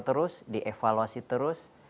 terus dievaluasi terus